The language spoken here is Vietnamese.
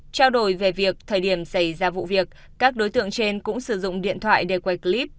trao đổi về việc thời điểm xảy ra vụ việc các đối tượng trên cũng sử dụng điện thoại để quay clip